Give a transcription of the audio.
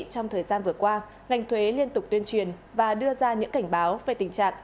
trong thời gian vừa qua ngành thuế liên tục tuyên truyền và đưa ra những cảnh báo về tình trạng